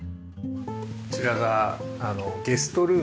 こちらがゲストルームですね。